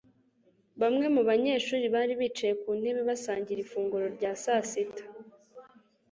Bamwe mu banyeshuri bari bicaye ku ntebe basangira ifunguro rya saa sita